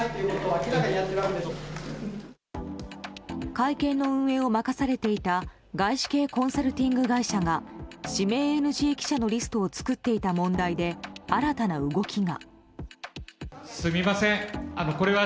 会見の運営を任されていた外資系コンサルティング会社が指名ＮＧ記者のリストを作っていた問題で新たな動きが。